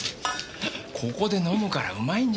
ここで飲むからうまいんじゃない。